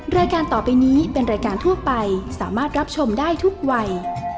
รายการต่อไปนี้เป็นรายการทั่วไปสามารถรับชมได้ทุกวัย